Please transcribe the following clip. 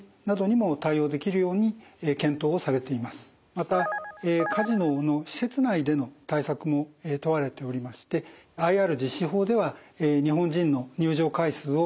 またカジノの施設内での対策も問われておりましてＩＲ実施法では日本人の入場回数を週３回。